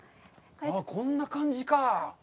こんな感じかあ。